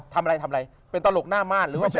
ทำอะไรทำอะไรเป็นตลกหน้าหมาถรูว่าเป็น